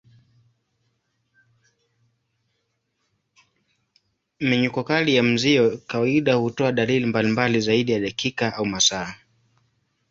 Mmenyuko kali ya mzio kawaida hutoa dalili mbalimbali zaidi ya dakika au masaa.